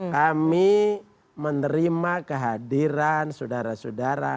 kami menerima kehadiran sudara sudara